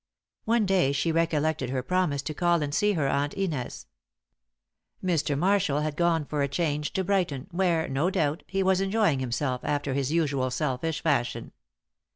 One day she recollected her promise to call and see her Aunt Inez. Mr. Marshall had gone for a change to Brighton, where, no doubt, he was enjoying himself after his usual selfish fashion.